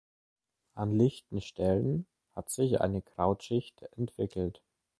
An lichten Stellen hat sich eine Krautschicht entwickelt.